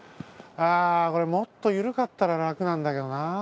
ああこれもっとゆるかったららくなんだけどな。